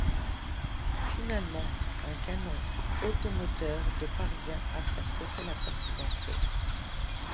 Finalement, un canon automoteur de parvient à faire sauter la porte d’entrée.